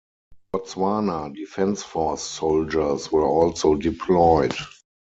Botswana Defence Force soldiers were also deployed.